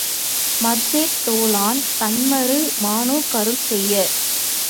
மற்சேர் தோளான் தன்மரு மானுக் கருள்செய்யப்